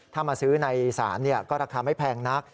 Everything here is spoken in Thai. ถ้ามาซื้อในศาลก็ราคาไม่แพงนัก